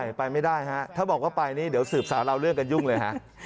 ไปไม่ได้ฮะถ้าบอกว่าไปนี่เดี๋ยวสืบสาวเราเรื่องกันยุ่งเลยฮะ